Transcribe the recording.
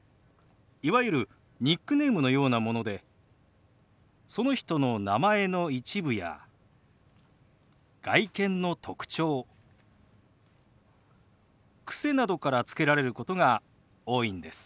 いわゆるニックネームのようなものでその人の名前の一部や外見の特徴癖などからつけられることが多いんです。